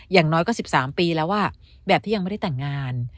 อย่างน้อยก็๑๓ปีแล้วแบบที่ยังไม่ได้แต่งงาน